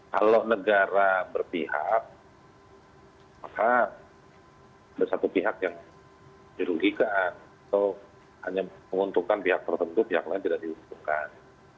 kalau negara berpihak maka ada satu pihak yang dirugikan atau hanya menguntungkan pihak tertentu pihak lain tidak diuntungkan